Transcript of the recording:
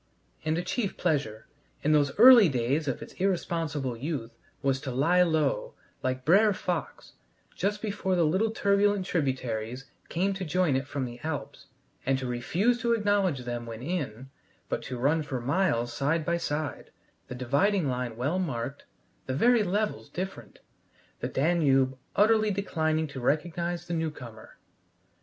And a chief pleasure, in those early days of its irresponsible youth, was to lie low, like Brer Fox, just before the little turbulent tributaries came to join it from the Alps, and to refuse to acknowledge them when in, but to run for miles side by side, the dividing line well marked, the very levels different, the Danube utterly declining to recognize the new comer.